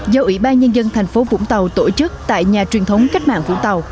do ủy ban nhân dân thành phố vũng tàu tổ chức tại nhà truyền thống cách mạng vũng tàu